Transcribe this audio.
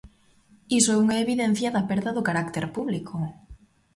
Iso é unha evidencia da perda do carácter público.